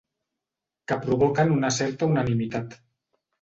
Que provoquen una certa unanimitat.